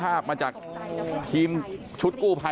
เพื่อนบ้านเจ้าหน้าที่อำรวจกู้ภัย